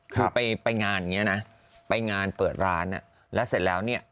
คือไปงานอย่างนี้นะไปงานเปิดร้านแล้วเสร็จแล้วเนี่ย